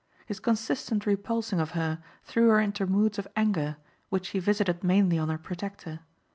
His consistent repulsing of her threw her into moods of anger which she visited mainly on her protector.